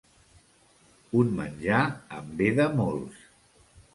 Un menjar en veda molts.